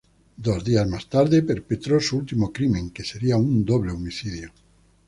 Dos días más tarde perpetró su último crimen, que sería un doble homicidio.